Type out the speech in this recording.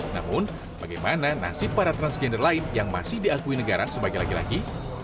namun bagaimana nasib para transgender lain yang masih diakui negara sebagai laki laki